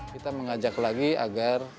kita mengajak lagi agar